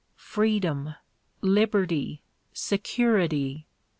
Freedom! Liberty! Security!